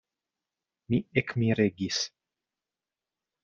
Mi ekmiregis.